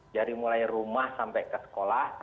dari mulai rumah sampai ke sekolah